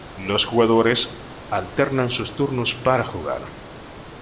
Los jugadores alternan sus turnos para jugar.